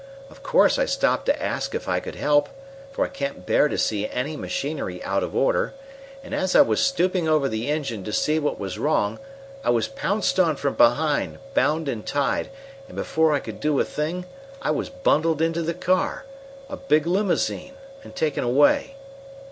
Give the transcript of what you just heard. Of course I stopped to ask if I could help, for I can't bear to see any machinery out of order, and as I was stooping over the engine to see what was wrong I was pounced on from behind, bound and tied, and before I could do a thing I was bundled into the car a big limousine, and taken away.